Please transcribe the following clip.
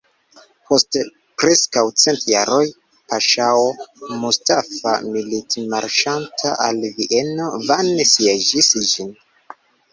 Post preskaŭ cent jaroj paŝao Mustafa, militmarŝanta al Vieno, vane sieĝis ĝin.